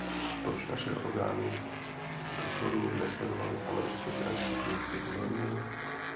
Proč naše orgány dozoru nesledovaly americké finanční produkty pozorněji?